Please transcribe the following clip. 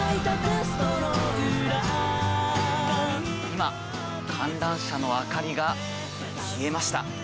今、観覧車の明かりが消えました。